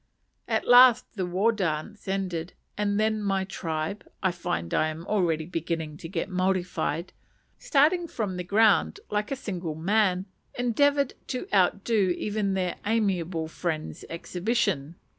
At last the war dance ended; and then my tribe (I find I am already beginning to get Maorified), starting from the ground like a single man, endeavoured to out do even their amiable friends' exhibition.